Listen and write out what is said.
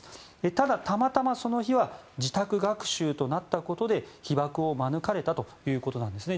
ただ、たまたま、その日は自宅学習となったことで被爆を免れたということなんですね。